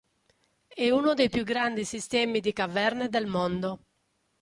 È uno dei più grandi sistemi di caverne del mondo.